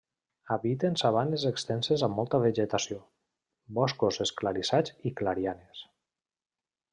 Habiten sabanes extenses amb molta vegetació, boscos esclarissats i clarianes.